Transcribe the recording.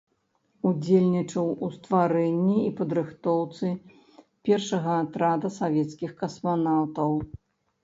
Удзельнічаў у стварэнні і падрыхтоўцы першага атрада савецкіх касманаўтаў.